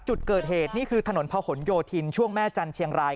จุดเกิดเหตุนี่คือถนนพะหนโยธินช่วงแม่จันทเชียงราย